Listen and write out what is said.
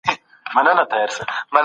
عمری ډاکو یو مهم شخصیت و.